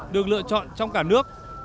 được lựa chọn trong cả nước